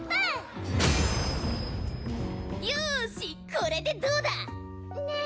これでどうだ！ねえ